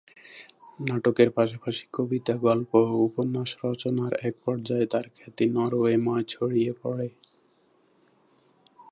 নাটকের পাশাপাশি কবিতা, গল্প ও উপন্যাস রচনার এক পর্যায়ে তাঁর খ্যাতি নরওয়েময় ছড়িয়ে পড়ে।